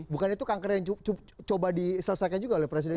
bukan itu kanker yang coba diselesaikan juga oleh presiden